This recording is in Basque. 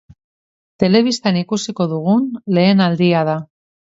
Telebistan ikusiko dugun lehen aldia da.